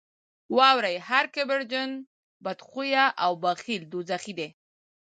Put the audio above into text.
واورئ هر کبرجن، بدخویه او بخیل دوزخي دي.